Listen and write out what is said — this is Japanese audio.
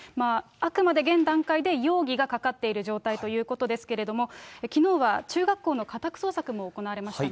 あくまで現段階で容疑がかかっている状態ということですけれども、きのうは中学校の家宅捜索も行われましたね。